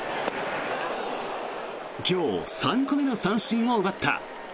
今日３個目の三振を奪った。